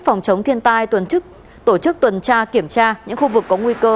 phòng chống thiên tai tuần tổ chức tuần tra kiểm tra những khu vực có nguy cơ